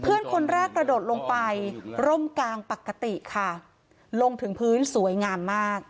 เพื่อนคนแรกกระโดดลงไปร่มกลางปกติค่ะลงถึงพื้นสวยงามมาก